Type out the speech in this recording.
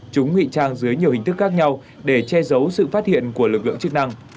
chúng ngụy trang dưới nhiều hình thức khác nhau để che giấu sự phát hiện của lực lượng chức năng